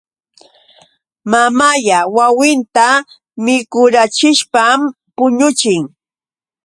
Mamalla wawinta mikurachishpam puñuchin.